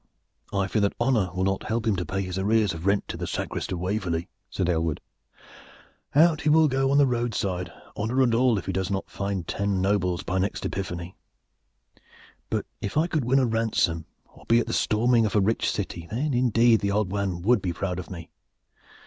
"I fear that honor will not help him to pay his arrears of rent to the sacrist of Waverley," said Aylward. "Out he will go on the roadside, honor and all, if he does not find ten nobles by next Epiphany. But if I could win a ransom or be at the storming of a rich city, then indeed the old man would be proud of me.